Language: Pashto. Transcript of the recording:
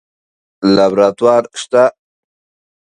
لابراتوار شته؟